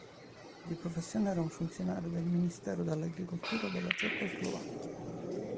Di professione era un funzionario del Ministero dell'agricoltura della Cecoslovacchia.